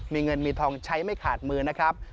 มีเงินมีทองใช้ไม่ขาดมือนะครับ